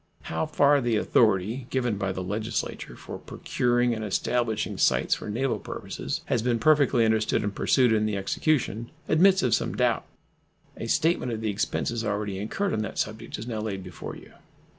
How far the authority given by the Legislature for procuring and establishing sites for naval purposes has been perfectly understood and pursued in the execution admits of some doubt. A statement of the expenses already incurred on that subject is now laid before you.